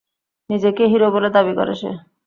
নিজেকে হিরো বলে দাবি করে সে?